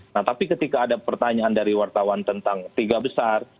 nah tapi ketika ada pertanyaan dari wartawan tentang tiga besar